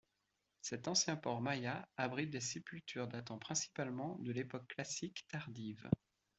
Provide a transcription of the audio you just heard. Cet ancien port maya abrite des sépultures datant principalement de l’époque classique tardive.